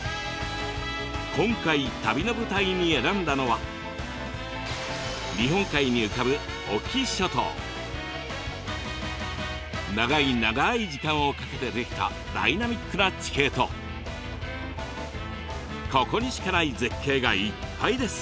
今回旅の舞台に選んだのは日本海に浮かぶ長い長い時間をかけて出来たダイナミックな地形とここにしかない絶景がいっぱいです。